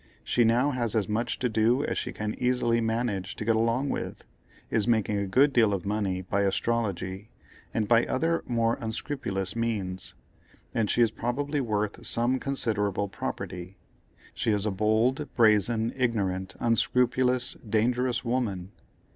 She now has as much to do as she can easily manage to get along with, is making a good deal of money by "Astrology," and by other more unscrupulous means; and she is probably worth some considerable property. She is a bold, brazen, ignorant, unscrupulous, dangerous woman.